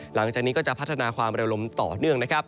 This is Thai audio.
หลังจากนี้ก็จะพัฒนาความระยะลมต่อเนื่อง